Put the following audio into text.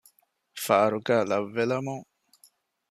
ފާރުގައި ލައްވެލަމުން